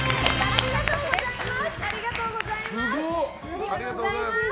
ありがとうございます。